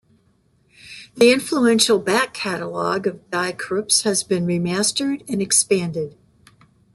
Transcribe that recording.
The influential back-catalogue of Die Krupps has been remastered and expanded.